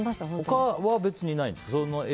他は別にないんですか。